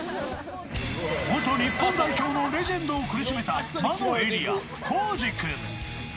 元日本代表のレジェンドを苦しめた魔のエリア、コージくん。